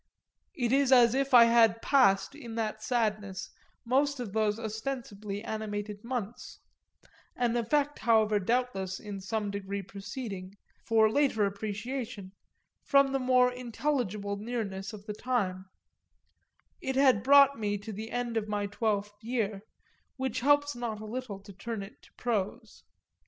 It is as if I had passed in that sadness most of those ostensibly animated months; an effect however doubtless in some degree proceeding, for later appreciation, from the more intelligible nearness of the time it had brought me to the end of my twelfth year; which helps not a little to turn it to prose.